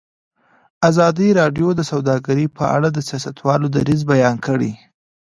ازادي راډیو د سوداګري په اړه د سیاستوالو دریځ بیان کړی.